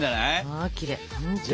まきれい。